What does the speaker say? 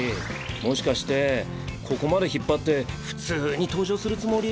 もしかしてここまで引っ張って普通に登場するつもり？